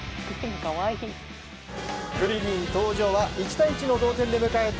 クリリン登場は１対１の同点で迎えた